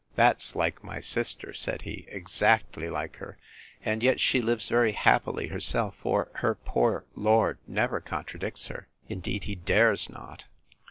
That's like my sister! said he; exactly like her; and yet she lives very happily herself: for her poor lord never contradicts her. Indeed he dares not.